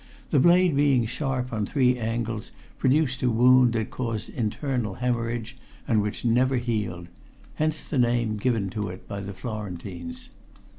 The blade being sharp on three angles produced a wound that caused internal hemorrhage and which never healed hence the name given to it by the Florentines.